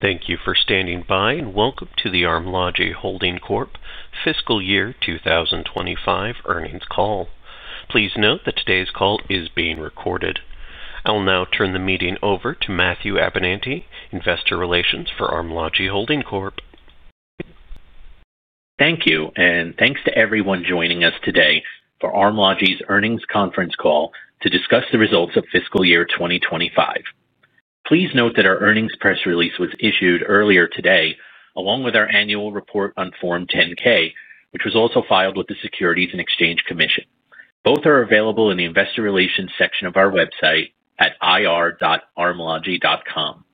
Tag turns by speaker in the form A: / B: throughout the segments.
A: Thank you for standing by and welcome to the Armlogi Holding Corp fiscal year 2025 earnings call. Please note that today's call is being recorded. I will now turn the meeting over to Matthew Abenante, Investor Relations for Armlogi Holding Corp.
B: Thank you, and thanks to everyone joining us today for Armlogi's earnings conference call to discuss the results of fiscal year 2025. Please note that our earnings press release was issued earlier today, along with our annual report on Form 10-K, which was also filed with the Securities and Exchange Commission. Both are available in the Investor Relations section of our website at ir.armlogi.com.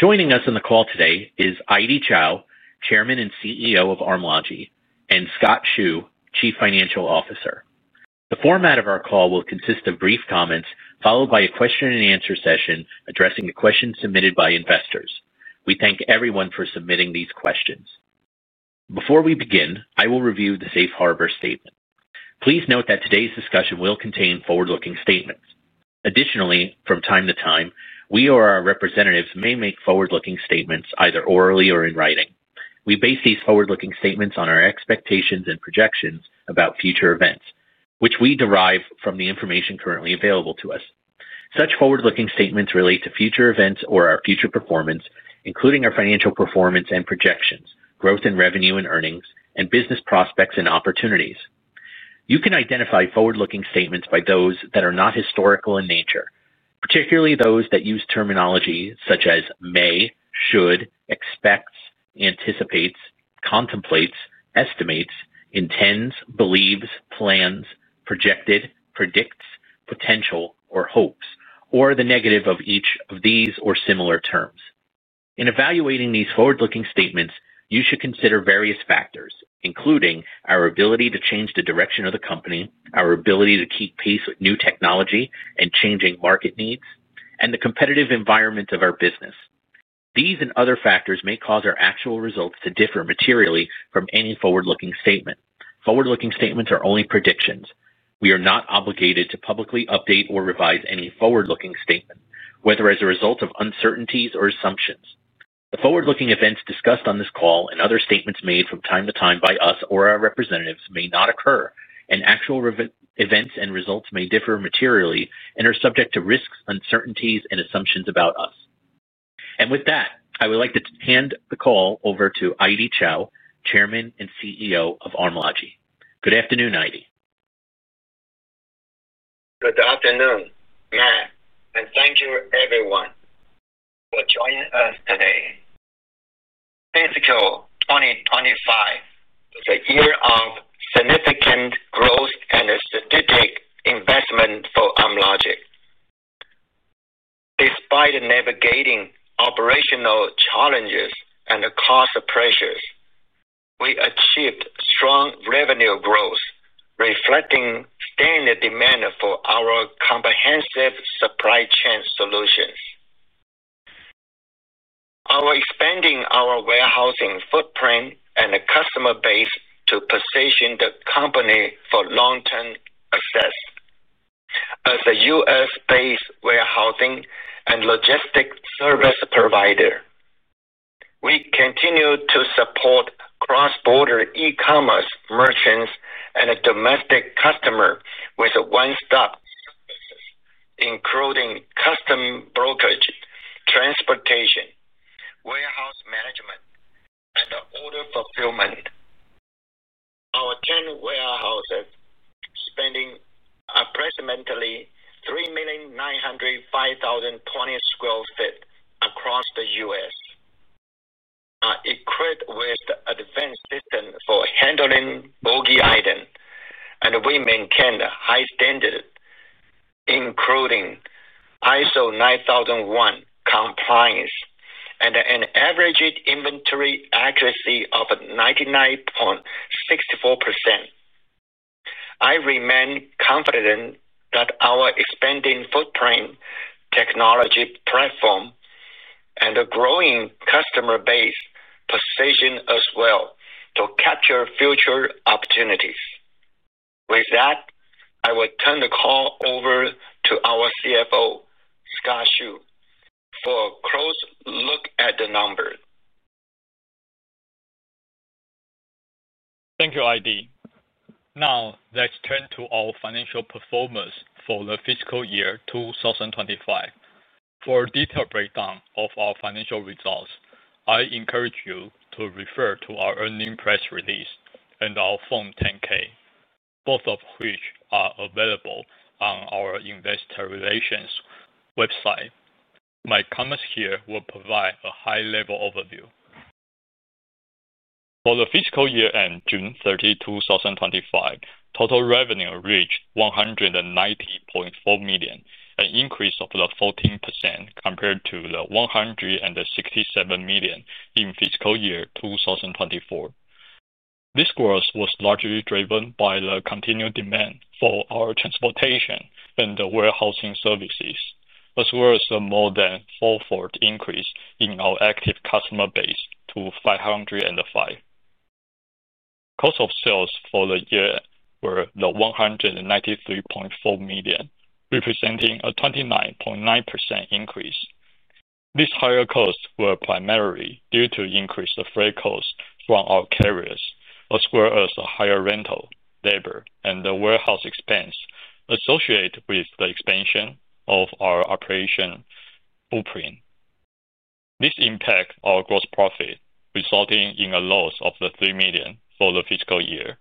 B: Joining us on the call today is Aidy Chou, Chairman and CEO of Armlogi, and Scott Hsu, Chief Financial Officer. The format of our call will consist of brief comments followed by a question and answer session addressing the questions submitted by investors. We thank everyone for submitting these questions. Before we begin, I will review the Safe Harbor statement. Please note that today's discussion will contain forward-looking statements. Additionally, from time to time, we or our representatives may make forward-looking statements either orally or in writing. We base these forward-looking statements on our expectations and projections about future events, which we derive from the information currently available to us. Such forward-looking statements relate to future events or our future performance, including our financial performance and projections, growth in revenue and earnings, and business prospects and opportunities. You can identify forward-looking statements by those that are not historical in nature, particularly those that use terminology such as may, should, expects, anticipates, contemplates, estimates, intends, believes, plans, projected, predicts, potential, or hopes, or the negative of each of these or similar terms. In evaluating these forward-looking statements, you should consider various factors, including our ability to change the direction of the company, our ability to keep pace with new technology and changing market needs, and the competitive environment of our business. These and other factors may cause our actual results to differ materially from any forward-looking statement. Forward-looking statements are only predictions. We are not obligated to publicly update or revise any forward-looking statement, whether as a result of uncertainties or assumptions. The forward-looking events discussed on this call and other statements made from time to time by us or our representatives may not occur, and actual events and results may differ materially and are subject to risks, uncertainties, and assumptions about us. With that, I would like to hand the call over to Aidy Chou, Chairman and CEO of Armlogi. Good afternoon, Aidy.
C: Good afternoon, Matt, and thank you, everyone, for joining us today. Fiscal year 2025 is a year of significant growth and strategic investment for Armlogi Holding Corp. Despite navigating operational challenges and cost pressures, we achieved strong revenue growth, reflecting the demand for our comprehensive supply chain solutions. Our expanding warehousing footprint and customer base positioned the company for long-term success. As a U.S.-based warehousing and logistics service provider, we continue to support cross-border e-commerce merchants and domestic customers with one stop, including custom brokerage, transportation, warehouse management, and order fulfillment. Our 10 warehouses span approximately $3,905,020 across the U.S. We maintained high standards, including ISO 9001 compliance and an average inventory accuracy rate of 99.64%. I remain confident that our expanding footprint, technology platform, and a growing customer base position us well to capture future opportunities. With that, I will turn the call over to our CFO, Scott Hsu, for a close look at the numbers.
D: Thank you, Aidy. Now, let's turn to our financial performance for the fiscal year 2025. For a detailed breakdown of our financial results, I encourage you to refer to our earnings press release and our Form 10-K, both of which are available on our Investor Relations website. My comments here will provide a high-level overview. For the fiscal year ended June 30, 2025, total revenue reached $190.4 million, an increase of 14% compared to the $167 million in fiscal year 2024. This growth was largely driven by the continued demand for our transportation services and warehousing services, as well as a more than four-fold increase in our active customer base to 505. Cost of sales for the year were $193.4 million, representing a 29.9% increase. These higher costs were primarily due to increased freight costs from our carriers, as well as the higher rental, labor, and warehouse expense associated with the expansion of our operational footprint. This impacts our gross profit, resulting in a loss of $3 million for the fiscal year.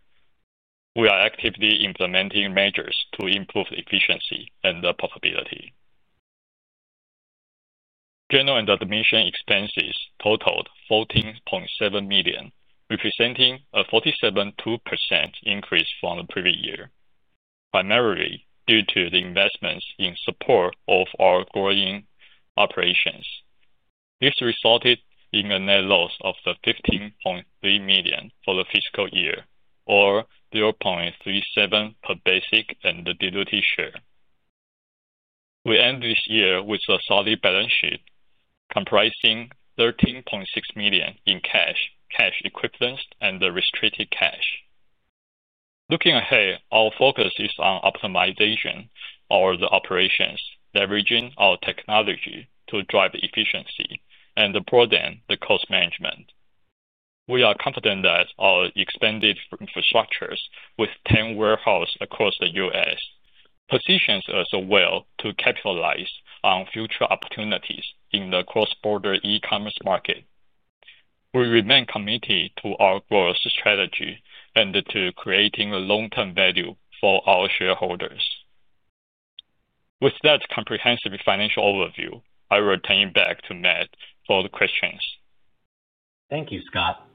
D: We are actively implementing measures to improve efficiency and profitability. General and administrative expenses totaled $14.7 million, representing a 47.2% increase from the previous year, primarily due to the investments in support of our growing operations. This resulted in a net loss of $15.3 million for the fiscal year, or $0.37 per basic and diluted share. We end this year with a solid balance sheet, comprising $13.6 million in cash, cash equivalents, and restricted cash. Looking ahead, our focus is on optimization of operations, leveraging our technology to drive efficiency and broaden cost management. We are confident that our expanded infrastructure, with 10 warehouses across the U.S., positions us well to capitalize on future opportunities in the cross-border e-commerce market. We remain committed to our growth strategy and to creating long-term value for our shareholders. With that comprehensive financial overview, I will turn it back to Matt for the questions.
B: Thank you, Scott.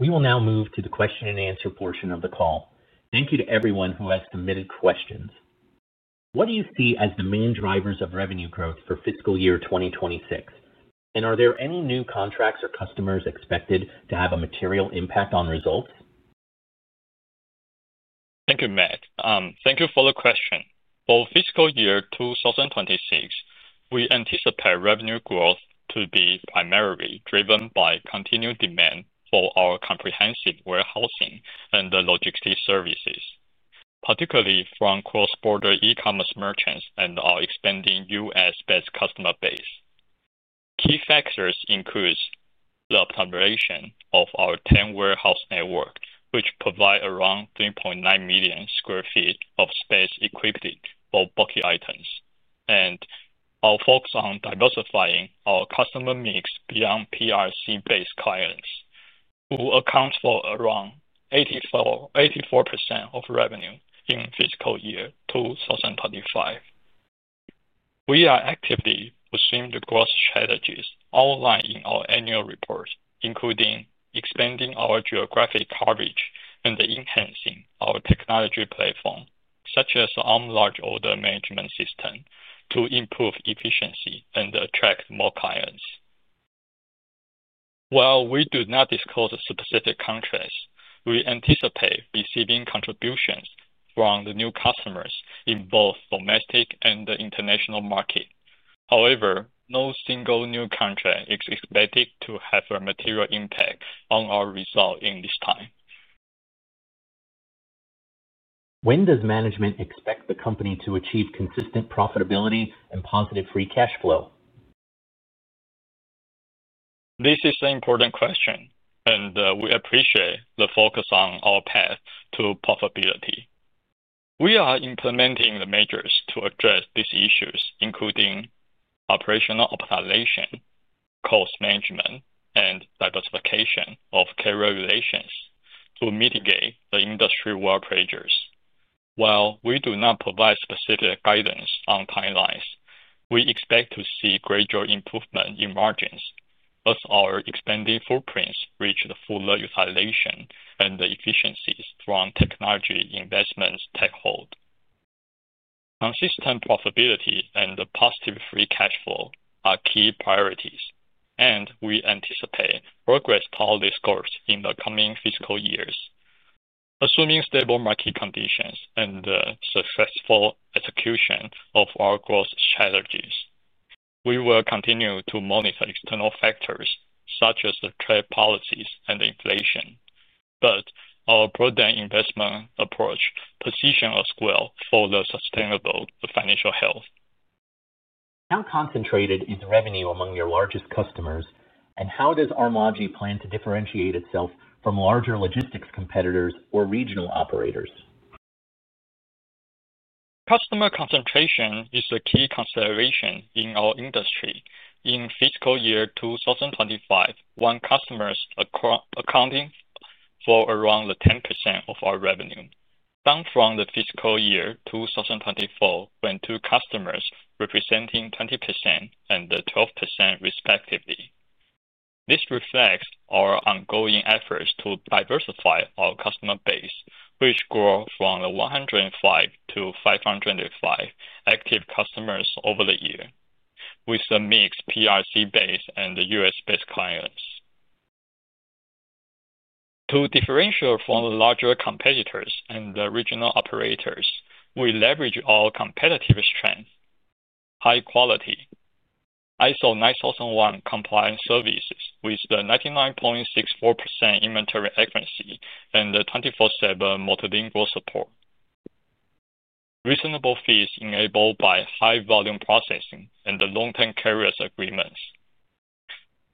B: We will now move to the question and answer portion of the call. Thank you to everyone who has submitted questions. What do you see as the main drivers of revenue growth for fiscal year 2026, and are there any new contracts or customers expected to have a material impact on results?
D: Thank you, Matt. Thank you for the question. For fiscal year 2026, we anticipate revenue growth to be primarily driven by continued demand for our comprehensive warehousing and logistics services, particularly from cross-border e-commerce merchants and our expanding U.S.-based customer base. Key factors include the population of our 10-warehouse network, which provides around 3.9 million square feet of space equipped for bulky items, and our focus on diversifying our customer mix beyond PRC-based clients, who account for around 84% of revenue in fiscal year 2025. We are actively pursuing the growth strategies outlined in our annual report, including expanding our geographic coverage and enhancing our technology platform, such as the Armlogi Order Management System, to improve efficiency and attract more clients. While we do not disclose specific contracts, we anticipate receiving contributions from the new customers in both the domestic and the international markets. However, no single new contract is expected to have a material impact on our results in this time.
B: When does management expect the company to achieve consistent profitability and positive free cash flow?
D: This is an important question, and we appreciate the focus on our path to profitability. We are implementing the measures to address these issues, including operational optimization, cost management, and diversification of carrier relations to mitigate the industry warpages. While we do not provide specific guidance on timelines, we expect to see gradual improvement in margins as our expanding footprint reaches fuller utilization and efficiencies from technology investments take hold. Consistent profitability and positive free cash flow are key priorities, and we anticipate progress toward this goal in the coming fiscal years. Assuming stable market conditions and the successful execution of our growth strategies, we will continue to monitor external factors such as trade policies and inflation. Our broadened investment approach positions us well for the sustainable financial health.
B: How concentrated is revenue among your largest customers, and how does Armlogi plan to differentiate itself from larger logistics competitors or regional operators?
D: Customer concentration is a key consideration in our industry. In fiscal year 2025, one customer accounts for around 10% of our revenue, down from the fiscal year 2024 when two customers represented 20% and 12% respectively. This reflects our ongoing efforts to diversify our customer base, which grew from 105 to 525 active customers over the year, with a mix of PRC-based and U.S.-based clients. To differentiate from the larger competitors and regional operators, we leverage our competitive strengths: high quality, ISO 9001 compliant services, with 99.64% inventory accuracy, and 24/7 multilingual support, reasonable fees enabled by high-volume processing, and long-term carrier agreements,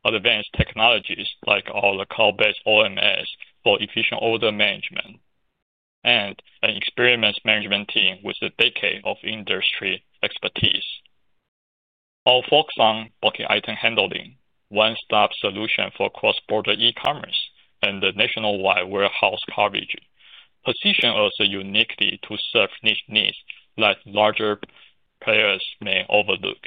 D: advanced technologies like our cloud-based Armlogi Order Management System for efficient order management, and an experienced management team with a decade of industry expertise. Our focus on bulky item handling, one-stop solution for cross-border e-commerce, and the nationwide warehouse coverage positions us uniquely to serve niche needs that larger players may overlook.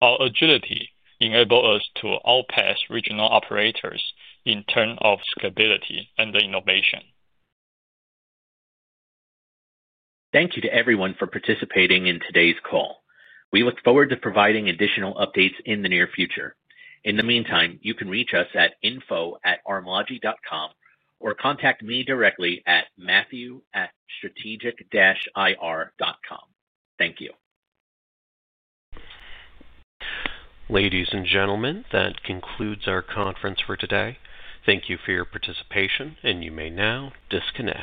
D: Our agility enables us to outpace regional operators in terms of scalability and innovation.
B: Thank you to everyone for participating in today's call. We look forward to providing additional updates in the near future. In the meantime, you can reach us at info@armlogi.com or contact me directly at matthew@strategic-ir.com. Thank you.
A: Ladies and gentlemen, that concludes our conference for today. Thank you for your participation, and you may now disconnect.